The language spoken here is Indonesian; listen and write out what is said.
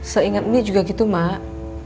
seingat ini juga gitu mak